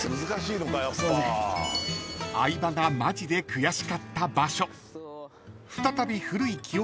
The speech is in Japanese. ［相葉がマジでくやしかった場所］